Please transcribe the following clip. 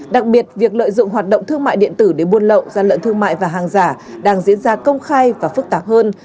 đặc biệt việc lợi dụng hoạt động thương mại điện tử để buôn lậu gian lận thương mại và hàng giả đang diễn ra công khai và phức tạp hơn